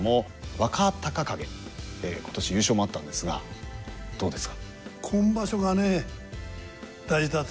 若隆景今年優勝もあったんですがどうですか？